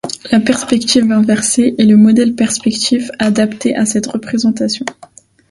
La perspective inversée est le modèle perspectif adapté à cette représentation.